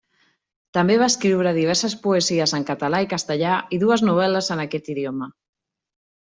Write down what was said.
També va escriure diverses poesies en català i castellà i dues novel·les en aquest idioma.